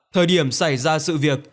thời điểm xảy ra sự việc